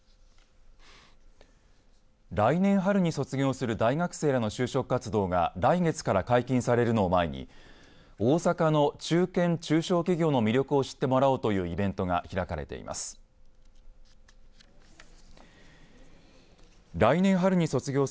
来年春に卒業する大学生らの就職活動が来月から解禁されるのを前に大阪の中堅、中小企業の魅力を知ってもらおうというイベントが開かれています。